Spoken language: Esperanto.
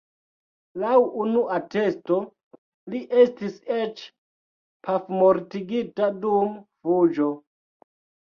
Laŭ unu atesto li estis eĉ pafmortigita dum fuĝo.